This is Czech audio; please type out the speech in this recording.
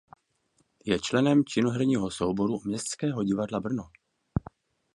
Je členem činoherního souboru Městského divadla Brno.